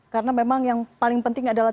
karena memang yang paling penting adalah